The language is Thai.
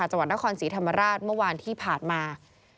จังหวัดนครศรีธรรมราชเมื่อวานที่ผ่านมา